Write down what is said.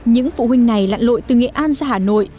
những phụ huynh này lặn lội từ nghệ an ra hà nội